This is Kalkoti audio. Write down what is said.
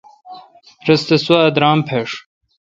رس تہ سوا درام پݭہ۔